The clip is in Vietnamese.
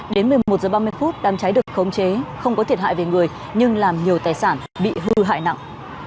đến một mươi một h ba mươi đám cháy được khống chế không có thiệt hại về người nhưng làm nhiều tài sản bị hư hại nặng